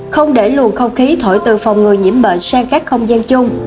không để luồn không khí thổi từ phòng người nhiễm bệnh sang các không gian chung